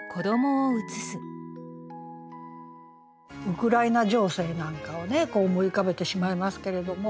ウクライナ情勢なんかをね思い浮かべてしまいますけれども。